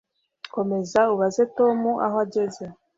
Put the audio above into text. komeza ubaze tom aho ageze